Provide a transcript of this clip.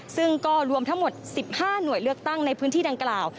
ซึ่งก็รวมทั้งหมด๑๕หน่วยเลือกตั้งในพื้นที่ดังกล่าว